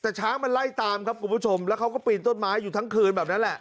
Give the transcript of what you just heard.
แต่ช้างมันไล่ตามครับคุณผู้ชมแล้วเขาก็ปีนต้นไม้อยู่ทั้งคืนแบบนั้นแหละ